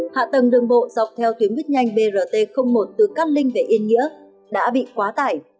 hạ tầng đường bộ dọc theo tuyến buýt nhanh brt một từ cát linh về yên nghĩa đã bị quá tải